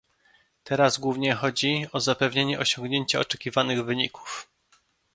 Teraz głównie chodzi o zapewnienie osiągnięcia oczekiwanych wyników